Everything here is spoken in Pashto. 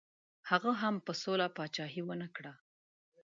هغه هم په سوله پاچهي ونه کړه.